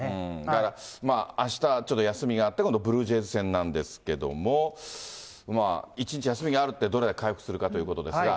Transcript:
だから、あした、ちょっと休みがあって、今度、ブルージェイズ戦なんですけれども、まあ、１日休みがあって、どれだけ回復するかということですが。